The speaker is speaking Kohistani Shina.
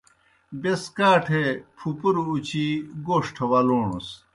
بیْس کاٹھے پُھپُرہ اُچِی گوݜٹھہ ولوݨَس۔